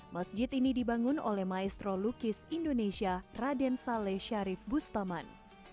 masjid ini dibangun oleh maestro lukis indonesia raden saleh syarif bustaman